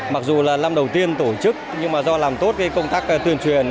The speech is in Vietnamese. mặc dù là năm đầu tiên tổ chức nhưng mà do làm tốt công tác tuyên truyền